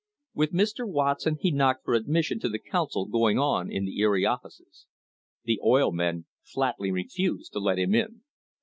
With Mr. Watson he knocked for admis sion to the council going on in the Erie offices. The oil men flatly refused to let them in.